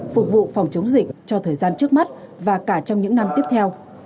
phục vụ phòng chống dịch cho thời gian trước mắt và cả trong những năm tiếp theo